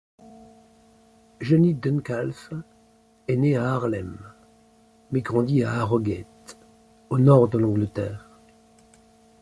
Jenny Duncalf est née à Haarlem mais grandit à Harrogate au nord de l'Angleterre.